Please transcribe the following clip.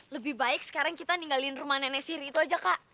lebih baik sekarang kita ninggalin rumah nenek siri itu aja kak